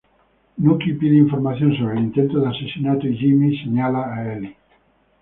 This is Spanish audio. Nucky pide información sobre el intento de asesinato y Jimmy señala a Eli.